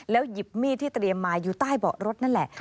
หยิบมีดที่เตรียมมาอยู่ใต้เบาะรถนั่นแหละ